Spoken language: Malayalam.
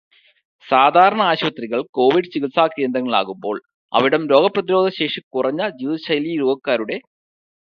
സാധാരണ ആശുപത്രികൾ കോവിഡ് ചികിത്സാ കേന്ദ്രങ്ങൾ ആകുമ്പോൾ അവിടം രോഗപ്രതിരോധശേഷി കുറഞ്ഞ ജീവിതശൈലീ രോഗക്കാരുടെ